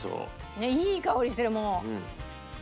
ねえいい香りしてるもう。